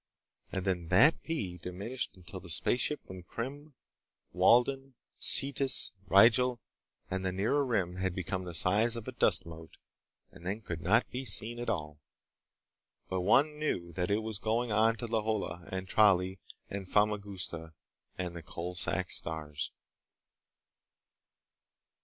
And then that pea diminished until the spaceship from Krim, Walden, Cetis, Rigel and the Nearer Rim had become the size of a dust mote and then could not be seen at all. But one knew that it was going on to Lohala and Tralee and Famagusta and the Coalsack Stars.